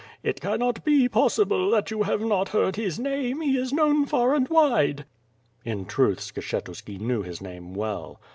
It cannot be possible that you have not heard his name. He is known far and wide." In truth Skshetuski knew his name well.